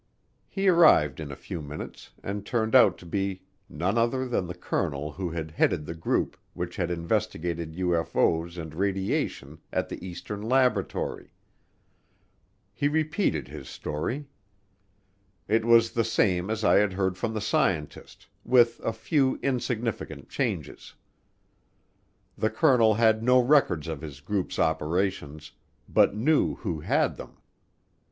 He arrived in a few minutes and turned out to be none other than the colonel who had headed the group which had investigated UFO's and radiation at the eastern laboratory. He repeated his story. It was the same as I had heard from the scientist, with a few insignificant changes. The colonel had no records of his group's operations, but knew who had them.